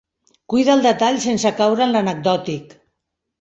Cuida el detall sense caure en l'anecdòtic.